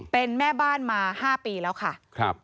เป็นแม่บ้านมา๕ปีแล้วค่ะ